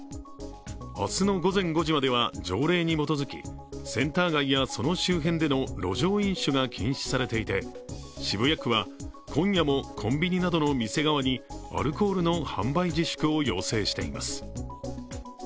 明日の午前５時までは条例に基づきセンター街やその周辺での路上飲酒が禁止されていて渋谷区は今夜もコンビニなどの店側にアルコールの販売自粛を要請しています。